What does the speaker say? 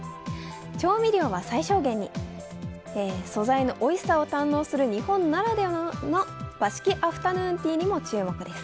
調味料は最小限に、素材のおいしさを堪能する日本ならではの和式アフタヌーンティーにも注目です。